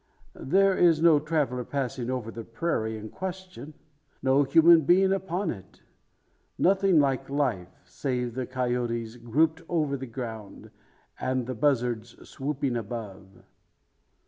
There is no traveller passing over the prairie in question no human being upon it. Nothing like life, save the coyotes grouped over the ground, and the buzzards swooping above.